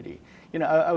kita harus mencari